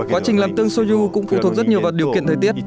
quá trình làm tương soju cũng phụ thuộc rất nhiều vào điều kiện thời tiết